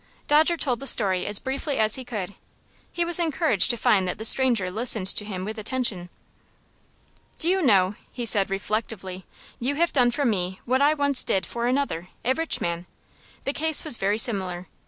Dodger told the story as briefly as he could. He was encouraged to find that the stranger listened to him with attention. "Do you know," he said, reflectively, "you have done for me what I once did for another a rich man? The case was very similar.